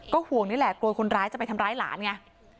ห่วงนี่แหละกลัวคนร้ายจะไปทำร้ายหลานไง